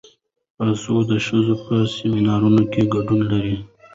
باسواده ښځې په سیمینارونو کې ګډون کوي.